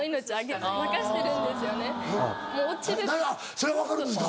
それ分かるんですか？